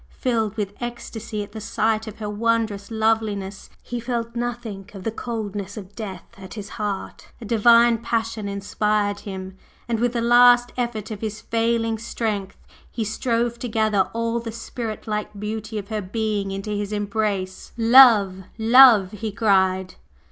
Filled with ecstasy at the sight of her wondrous loveliness, he felt nothing of the coldness of death at his heart, a divine passion inspired him, and with the last effort of his failing strength he strove to gather all the spirit like beauty of her being into his embrace. "Love Love!" he cried.